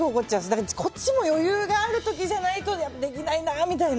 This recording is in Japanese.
だから、こっちも余裕がある時じゃないとできないなみたいな。